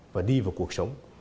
và đi vào cuộc sống